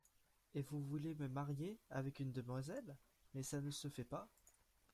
Et vous voulez me marier avec une demoiselle ; mais ça ne se fait pas.